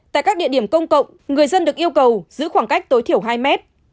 tại các địa điểm công cộng người dân được yêu cầu giữ khoảng cách tối thiểu hai mét